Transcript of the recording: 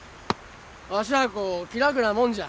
わしゃあこ気楽なもんじゃ。